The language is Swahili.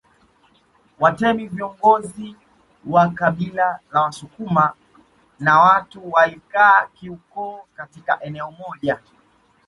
Watemi viongozi wa kabila la Wasukuma na watu walikaa kiukoo katika eneo moja